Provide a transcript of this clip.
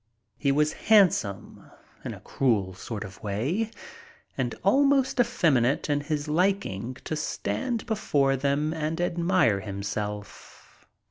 He was handsome in a cruel sort of way and almost effeminate in his liking to stand before them and admire himself.